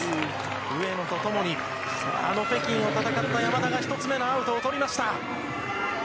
上野と共に、あの北京を戦った山田が一つ目のアウトを取りました。